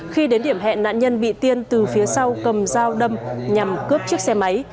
khi đến điểm hẹn nạn nhân bị tiên từ phía sau cầm dao đâm nhằm cướp chiếc xe máy